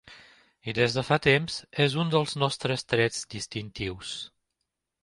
I des de fa temps és un dels nostres trets distintius.